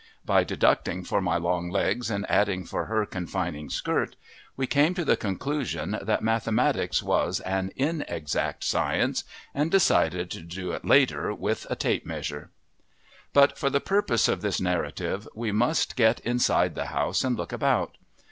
By deducting for my long legs and adding for her confining skirt we came to the conclusion that mathematics was an inexact science, and decided to do it later with a tape measure. But for the purpose of this narrative we must get inside the house and look about.